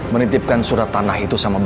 menitipkan surat tanah